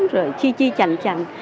rồi chi chi chành chành